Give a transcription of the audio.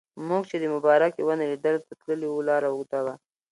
موږ چې د مبارکې ونې لیدلو ته تللي وو لاره اوږده وه.